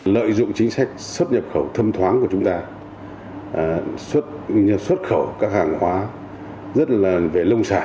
lợi dụng chính sách xuất nhập khẩu thông thoáng của chúng ta xuất khẩu các hàng hóa rất là về lông sản